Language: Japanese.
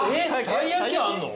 たい焼きあんの？